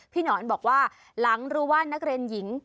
หนอนบอกว่าหลังรู้ว่านักเรียนหญิง